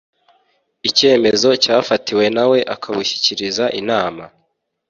icyemezo cyafatiwe nawe akabushyikiriza inama